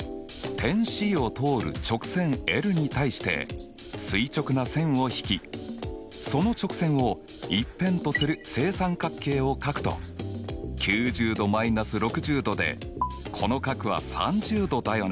点Ｃを通る直線に対して垂直な線を引きその直線を一辺とする正三角形を書くと９０°−６０°でこの角は３０°だよね。